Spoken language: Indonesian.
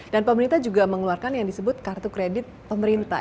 dan pemerintah juga mengeluarkan yang disebut kartu kredit pemerintah